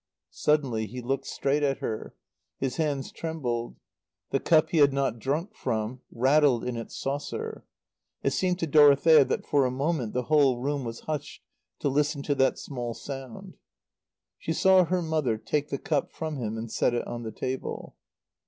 Suddenly he looked straight at her. His hands trembled. The cup he had not drunk from rattled in its saucer. It seemed to Dorothea that for a moment the whole room was hushed to listen to that small sound. She saw her mother take the cup from him and set it on the table.